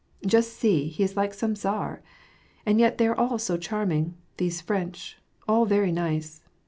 ^' Just see, he is like some tsar ! And yet they are all so charming, — these French, — all very nice.